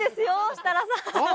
設楽さん